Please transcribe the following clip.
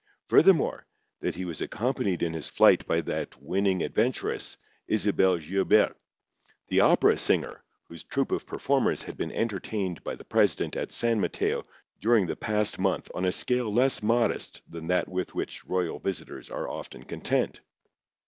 Furthermore, that he was accompanied in his flight by that winning adventuress Isabel Guilbert, the opera singer, whose troupe of performers had been entertained by the president at San Mateo during the past month on a scale less modest than that with which royal visitors are often content.